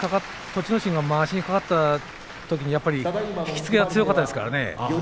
栃ノ心、まわしにかかったときに引き付けが強かったですからね。